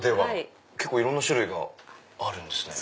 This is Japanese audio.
いろんな種類があるんですね。